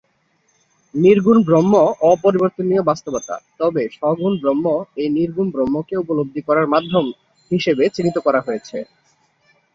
নির্গুণ ব্রহ্ম অপরিবর্তনীয় বাস্তবতা, তবে, সগুণ ব্রহ্ম এই নির্গুণ ব্রহ্মকে উপলব্ধি করার মাধ্যম হিসেবে চিহ্নিত করা হয়েছে।